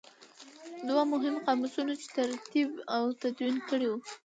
دوه مهم قاموسونه یې ترتیب او تدوین کړي وو.